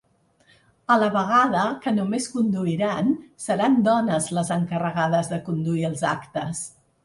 A la vegada, que només conduiran seran dones les encarregades de conduir els actes.